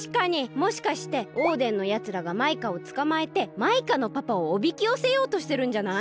もしかしてオーデンのやつらがマイカをつかまえてマイカのパパをおびきよせようとしてるんじゃない？